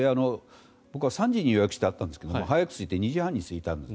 僕は３時に予約していたんですけど早く着いて２時半に着いたんです。